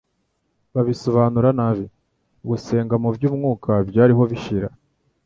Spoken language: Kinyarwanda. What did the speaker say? babisobanura nabi. Gusenga mu by'umwuka byariho bishira.